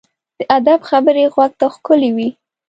د ادب خبرې غوږ ته ښکلي وي.